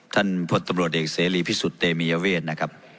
ท่านท่านพลตบรวจเอกเสรีพิสูจน์เตมียเวทนะครับ